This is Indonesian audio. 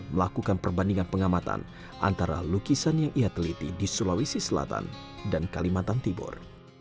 melakukan perbandingan pengamatan antara lukisan yang ia teliti di sulawesi selatan dan kalimantan timur